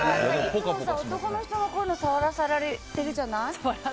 男の人のこういうの触らせられているじゃない？